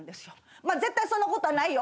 まあ絶対そんな事はないよ。